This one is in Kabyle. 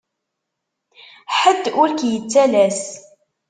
Ḥedd ur k-yettalas.